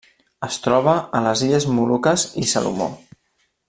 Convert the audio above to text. Es troba a les Illes Moluques i Salomó.